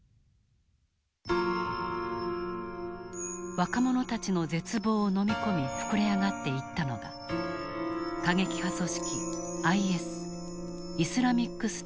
若者たちの絶望をのみ込み膨れ上がっていったのが過激派組織ＩＳイスラミックステートだった。